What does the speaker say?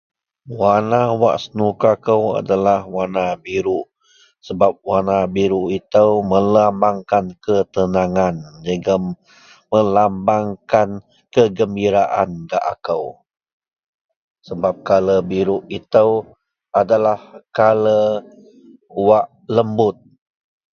Warna wak senuka kou adalah warna birouk sebab warna birouk ito melambangkan ketenangan jegum melambangkan kegembiraan gak akou sebab kala birouk ito adalah kala wak lembut.